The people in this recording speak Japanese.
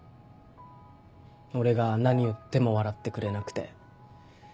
俺が何言っても笑ってくれなくて。